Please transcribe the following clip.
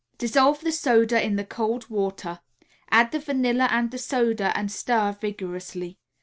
Dissolve the soda in the cold water, add the vanilla and the soda and stir vigorously.